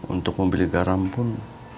untuk membeli garam pun